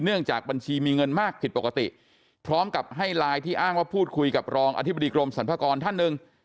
จากบัญชีมีเงินมากผิดปกติพร้อมกับให้ไลน์ที่อ้างว่าพูดคุยกับรองอธิบดีกรมสรรพากรท่านหนึ่ง